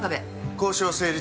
交渉成立。